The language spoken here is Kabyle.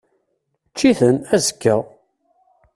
Ečč-iten, azekka!